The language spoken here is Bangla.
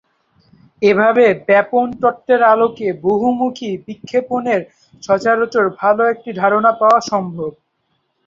এভাবে ব্যাপন তত্ত্বের আলোকে বহুমুখী বিক্ষেপণের সচরাচর ভাল একটি ধারণা পাওয়া সম্ভব।